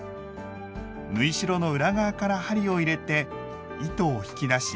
縫い代の裏側から針を入れて糸を引き出し